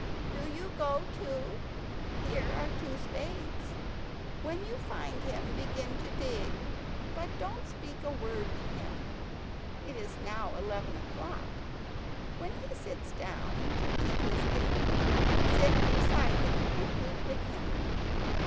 Do you go too. Here are two spades. When you find him begin to dig, but don't speak a word to him. It is now eleven o'clock. When he sits down to eat his dinner sit beside him and eat with him.